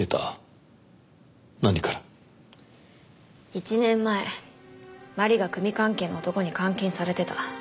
１年前麻里が組関係の男に監禁されてた。